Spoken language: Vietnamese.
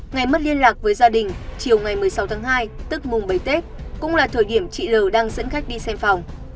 ngày mất liên lạc với gia đình chiều ngày một mươi sáu tháng hai tức mùng bảy tết cũng là thời điểm chị l đang dẫn khách đi xem phòng